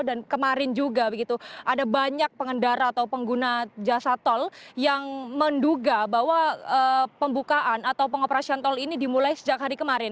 dan kemarin juga ada banyak pengendara atau pengguna jasa tol yang menduga bahwa pembukaan atau pengoperasian tol ini dimulai sejak hari kemarin